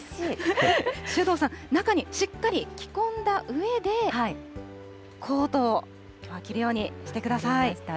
首藤さん、中にしっかり着込んだうえで、コートを着るようにしてください。